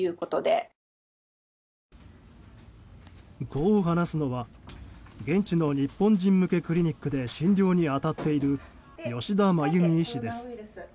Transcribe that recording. こう話すのは現地の日本人向けクリニックで診療に当たっている吉田まゆみ医師です。